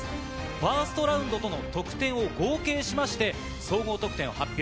ファーストラウンドとの得点を合計して総合得点を発表。